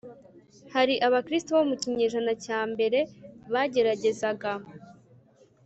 Hari Abakristo bo mu kinyejana cya mbere bageragezaga